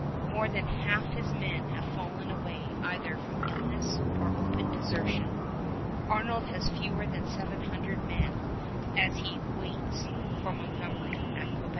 More than half his men have fallen away either from illness or open desertion. Arnold has fewer than seven hundred men as he waits for Montgomery at Quebec.